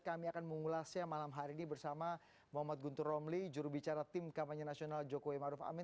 kami akan mengulasnya malam hari ini bersama muhammad guntur romli jurubicara tim kampanye nasional jokowi maruf amin